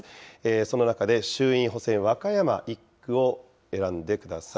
その中で衆院補選・和歌山１区を選んでください。